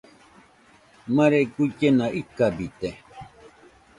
Mare guillena ikabite.